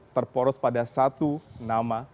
terporos pada satu nama